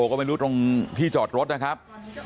ก็ไม่รู้ตรงที่จอดรถนะครับ